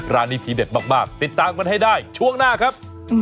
ร้านนี้ทีเด็ดมากติดตามกันให้ได้ช่วงหน้าครับ